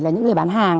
là những người bán hàng